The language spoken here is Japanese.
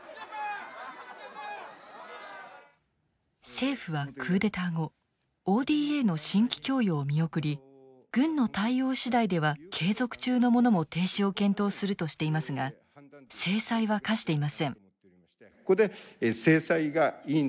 政府はクーデター後ＯＤＡの新規供与を見送り軍の対応次第では継続中のものも停止を検討するとしていますが制裁は科していません。